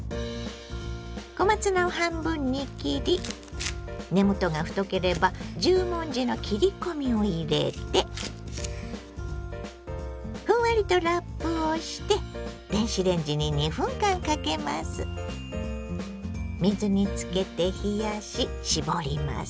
小松菜を半分に切り根元が太ければ十文字の切り込みを入れてふんわりとラップをして水につけて冷やし絞ります。